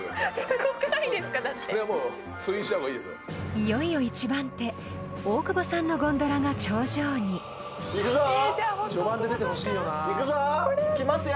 ［いよいよ１番手大久保さんのゴンドラが頂上に］きますよ